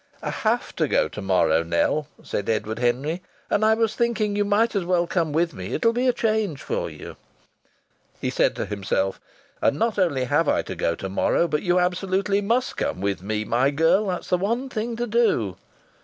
"I have to go to morrow, Nell," said Edward Henry. "And I was thinking you might as well come with me. It will be a change for you." (He said to himself, "And not only have I to go to morrow, but you absolutely must come with me, my girl. That's the one thing to do.")